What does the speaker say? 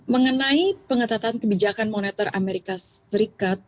mengenai pengetatan kebijakan moneter amerika serikat